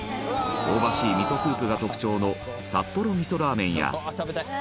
香ばしい味噌スープが特徴の札幌味噌ラーメンやウエンツ：食べたい！